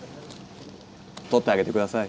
取ってあげてください。